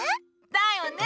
だよね！